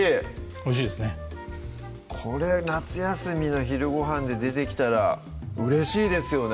おいしいですねこれ夏休みの昼ごはんで出てきたらうれしいですよね